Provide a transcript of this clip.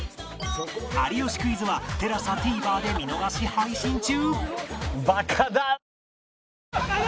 『有吉クイズ』は ＴＥＬＡＳＡＴＶｅｒ で見逃し配信中！